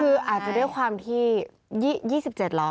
คืออาจจะด้วยความที่๒๗ล้อ